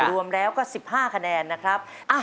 รวมแล้วก็๑๕คะแนนนะครับ